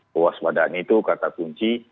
kewas padaan itu kata kunci